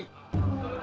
semua semua pocong aja